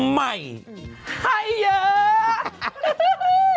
ใหม่ให้เยอะ